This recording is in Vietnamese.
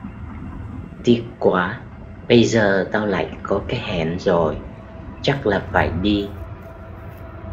Tiếc quá Bây giờ tao lại có cái hẹn rồi Chắc là phải đi